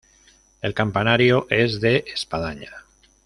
El campanario es de espadaña.